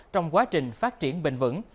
trong quá trình phát triển bình vẩn